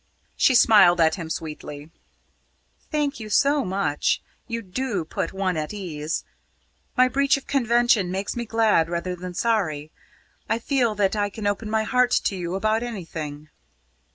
She smiled at him sweetly. "Thank you so much. You do put one at ease. My breach of convention makes me glad rather than sorry. I feel that I can open my heart to you about anything."